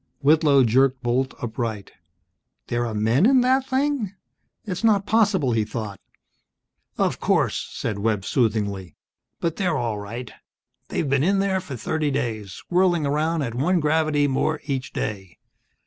Whitlow jerked bolt upright. "There are men in that thing?" It's not possible, he thought. "Of course," said Webb, soothingly. "But they're all right. They've been in there for thirty days, whirling around at one gravity more each day.